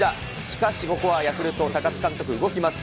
しかしここはヤクルト、高津監督動きます。